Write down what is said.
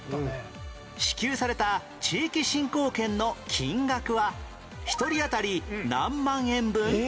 支給された地域振興券の金額は１人当たり何万円分？